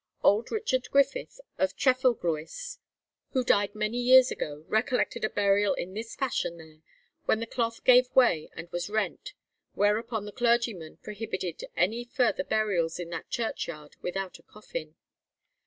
Old Richard Griffith, of Trefeglwys, who died many years ago, recollected a burial in this fashion there, when the cloth gave way and was rent; whereupon the clergyman prohibited any further burials in that churchyard without a coffin.